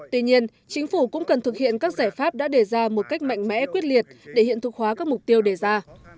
tuy nhiên chính phủ cũng cần thực hiện các giải pháp đã đề ra một cách mạnh mẽ quyết liệt để hiện thực hóa các mục tiêu đề ra